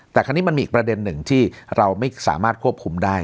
แต่คราวนี้มันมีอีกประเด็นหนึ่งที่เราไม่สามารถควบคุมได้